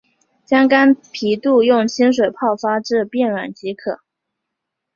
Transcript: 将干皮肚用清水泡发至变软即可。